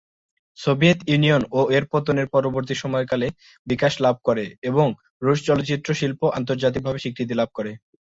Soviet Union ও এর পতনের পরবর্তী সময়কালে বিকাশ লাভ করে এবং রুশ চলচ্চিত্র শিল্প আন্তর্জাতিকভাবে স্বীকৃতি লাভ করে।